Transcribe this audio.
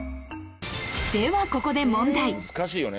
ではここで問題。